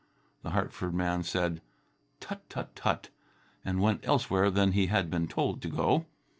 The Hartford man said, "Tut tut tut!" and went elsewhere than he had been told to go.